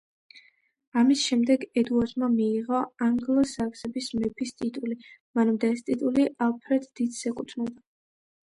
ამის შემდეგ ედუარდმა მიიღო „ანგლო-საქსების მეფის“ ტიტული, მანამდე ეს ტიტული ალფრედ დიდს ეკუთვნოდა.